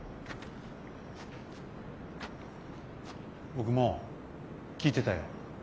僕も聴いてたよ。